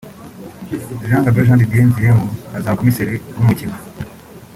Gbaon’s Jean Didier Nziengu azaba Komiseri w’umukino